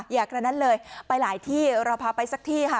อย่างนั้นเลยไปหลายที่เราพาไปสักที่ค่ะ